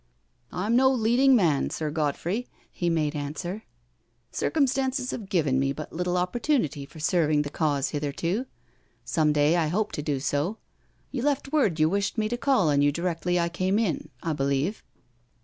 " I'm no leading man. Sir Godfrey," he made an swer; "circumstances have given me but little oppor tunity for serving the Cause 'itherto — some day I hope to do so. You left word you wished me to call on you directly I came in, I believe?"